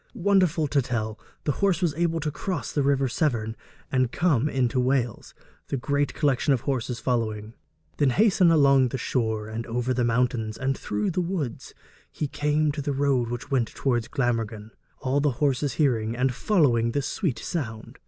Wonderful to tell, the horse was able to cross the river Severn and come into Wales, the great collection of horses following. 'Then hastening along the shore, and over the mountains, and through the woods, he came to the road which went towards Glamorgan, all the horses hearing, and following the sweet sound.'